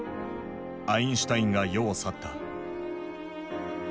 アインシュタインが世を去った。